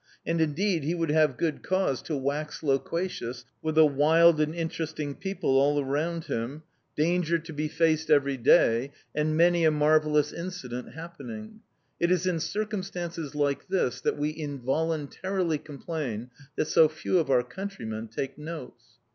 And, indeed, he would have good cause to wax loquacious with a wild and interesting people all around him, danger to be faced every day, and many a marvellous incident happening. It is in circumstances like this that we involuntarily complain that so few of our countrymen take notes.